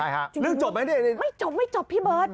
เรื่องจบไหมเนี่ยไม่จบไม่จบพี่เบิร์ต